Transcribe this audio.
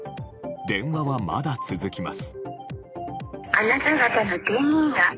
電話は、まだ続きます。